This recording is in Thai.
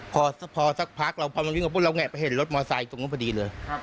พอสักพักเราพอมันวิ่งเราเห็นรถมอสไซค์ตรงนั้นพอดีเลย